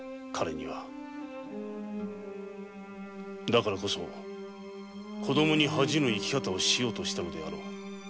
だからこそ子供に恥じぬ生き方をしようとしたのであろう。